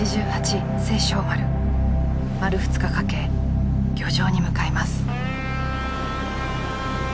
丸２日かけ漁場に向かいます。